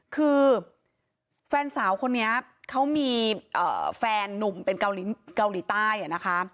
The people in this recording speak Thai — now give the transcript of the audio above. คือแฟนสาวคนนี้เขามีแฟนนุ่มเป็นเกาหลีใต้นะคะ